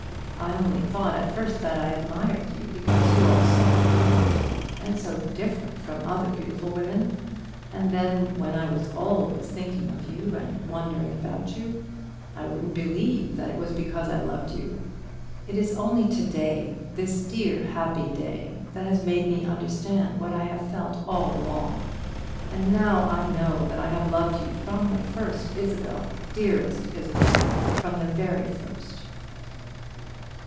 I only thought at first that I admired you, because you are so beautiful, and so different from other beautiful women; and then, when I was always thinking of you, and wondering about you, I wouldn't believe that it was because I loved you. It is only to day this dear, happy day that has made me understand what I have felt all along; and now I know that I have loved you from the first, Isabel, dear Isabel, from the very first."